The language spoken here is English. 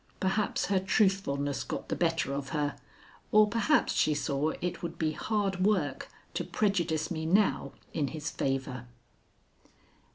Perhaps her truthfulness got the better of her, or perhaps she saw it would be hard work to prejudice me now in his favor.